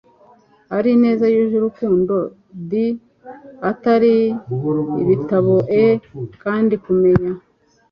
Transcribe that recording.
ari ineza yuje urukundo d atari ibitambo e kandi kumenya